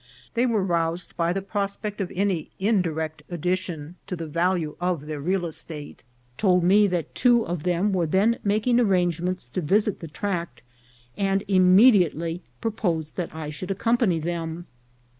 They were roused by the pros pect of any indirect addition to the value of their real estate ; told me that two of them were then making ar rangements to visit the tract, and immediately proposed that I should accompany them.